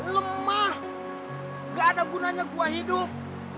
lemah gak ada gunanya gua hidup